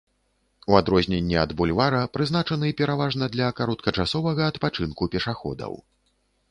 У адрозненне ад бульвара прызначаны пераважна для кароткачасовага адпачынку пешаходаў.